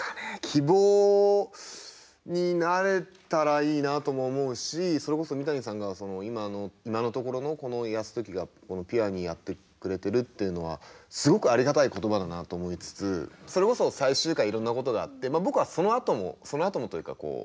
希望になれたらいいなとも思うしそれこそ三谷さんが今の今のところのこの泰時がピュアにやってくれてるっていうのはすごくありがたい言葉だなと思いつつそれこそ最終回いろんなことがあって僕はそのあともそのあともというかこう。